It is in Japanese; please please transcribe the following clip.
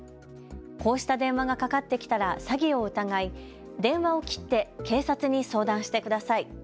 こうした電話がかかってきたら詐欺を疑い、電話を切って警察に相談してください。